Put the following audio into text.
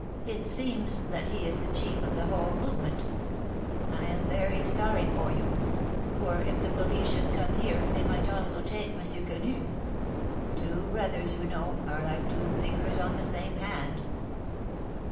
It seems that he is the chief of the whole movement. I am very sorry for you ; for if the police should come here, they might also take Monsieur Quenu. Two brothers, you know, are like two fingers on the same hand."